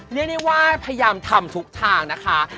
เรียกได้ว่าพยายามทำทุกทางนะคะ